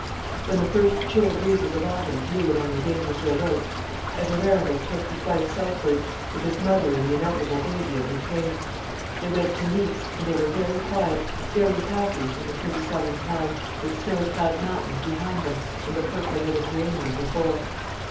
When the first chill breezes of autumn blew among the Dangerfield oaks, Edward Arundel took his wife southwards, with his mother and the inevitable baby in her train. They went to Nice, and they were very quiet, very happy, in the pretty southern town, with snow clad mountains behind them, and the purple Mediterranean before.